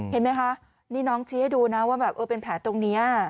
เห็นไหมคะนี่น้องชี้ให้ดูนะว่าแบบเออเป็นแผลตรงนี้